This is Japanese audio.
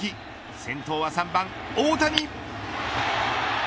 先頭は３番、大谷。